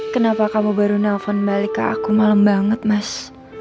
kenapa kamu baru nelfon balik ke aku malam banget mas